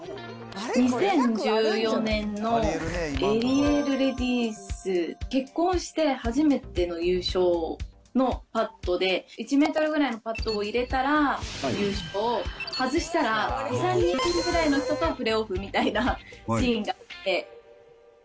２０１４年のエリエールレディス、結婚して初めての優勝のパットで、１メートルぐらいのパットを入れたら、優勝、外したら２、３人ぐらいの人とプレーオフみたいなシーンがあって。